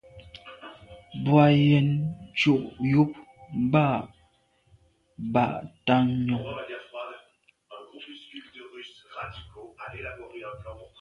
Bù à’ yə́n yúp mbɑ̂ bǎ tǎmnyɔ̀ŋ.